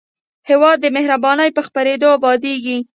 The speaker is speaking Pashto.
هېواد د مهربانۍ په خپرېدو ابادېږي.